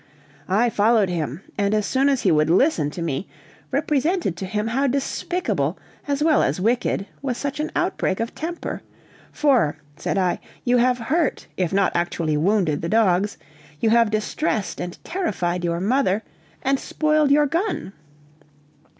I followed him, and as soon as he would listen to me, represented to him how despicable, as well as wicked, was such an outbreak, of temper: "for," said I, "you have hurt, if not actually wounded, the dogs; you have distressed and terrified your mother, and spoiled your gun."